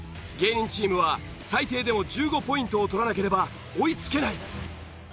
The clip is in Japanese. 芸人チームは最低でも１５ポイントを取らなければ追いつけない。